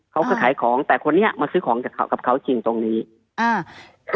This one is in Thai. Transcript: เขาก็ขายของแต่คนนี้มาซื้อของกับเขากับเขาจริงตรงนี้อ่า